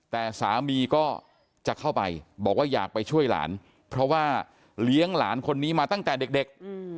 แต่สามีก็จะเข้าไปบอกว่าอยากไปช่วยหลานเพราะว่าเลี้ยงหลานคนนี้มาตั้งแต่เด็ก